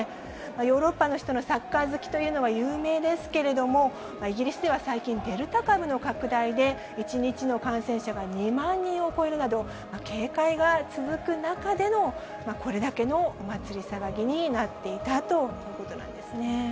ヨーロッパの人のサッカー好きというのは有名ですけれども、イギリスでは最近、デルタ株の拡大で、１日の感染者が２万人を超えるなど、警戒が続く中での、これだけのお祭り騒ぎになっていたということなんですね。